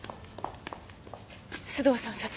須藤さん